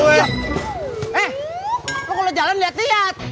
eh aku kalau jalan lihat lihat